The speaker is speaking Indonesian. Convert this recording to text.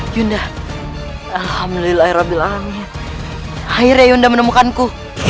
yunda alhamdulillahirrahmanirrahim akhirnya yunda menemukanku